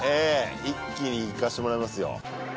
一気に行かせてもらいますよ。